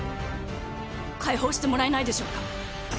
解放してもらえないでしょうか。